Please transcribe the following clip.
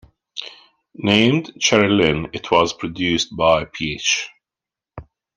Named "Cheryl Lynn", it was produced by Paich.